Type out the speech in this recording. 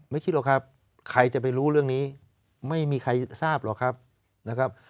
คิดหรอกครับใครจะไปรู้เรื่องนี้ไม่มีใครทราบหรอกครับนะครับ